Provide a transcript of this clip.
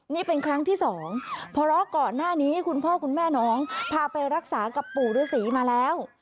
นี่เป็นครั้งที่สองเพราะก่อนหน้านี้คุณพ่อคุณแม่น้องพาไปรักษากับปู่ฤษีมาแล้ว